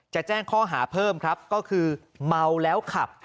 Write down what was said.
จะแจ้งข้อหาเพิ่มครับก็คือเมาแล้วขับ